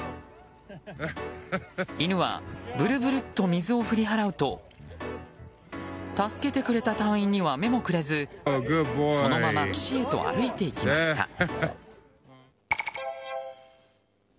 犬はぶるぶるっと水を振り払うと助けてくれた隊員には目もくれずそのまま岸へと歩いていきました。